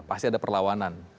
pasti ada perlawanan